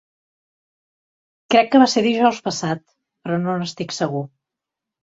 Crec que va ser dijous passat, però no n'estic segur.